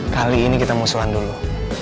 kali ini kita musuhan dulu